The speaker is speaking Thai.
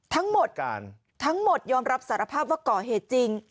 ทั้งหมดทั้งหมดยอมรับสารภาพว่าก่อเหตุจริง